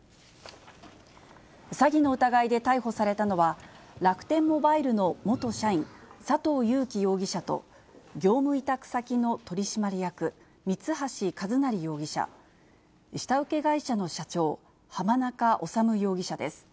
詐欺の疑いで逮捕されたのは、楽天モバイルの元社員、佐藤友紀容疑者と、業務委託先の取締役、三橋一成容疑者、下請け会社の社長、浜中治容疑者です。